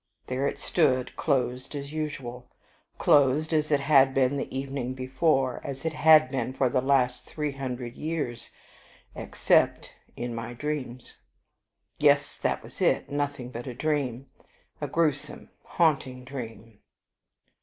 There it stood, closed as usual, closed as it had been the evening before, as it had been for the last three hundred years, except in my dreams. Yes, that was it; nothing but a dream, a gruesome, haunting dream.